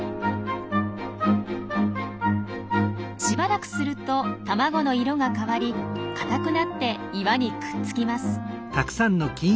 しばらくすると卵の色が変わり固くなって岩にくっつきます。